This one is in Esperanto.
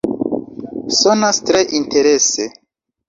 Sonas tre interese!